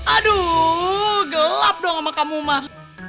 aduuuh gelap dong sama kamu mah